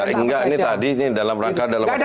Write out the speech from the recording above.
enggak ini tadi dalam rangka dalam waktu cepat